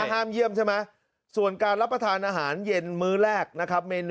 ห้ามเยี่ยมใช่ไหมส่วนการรับประทานอาหารเย็นมื้อแรกนะครับ